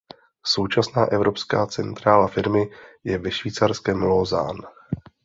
Současná evropská centrála firmy je ve švýcarském Lausanne.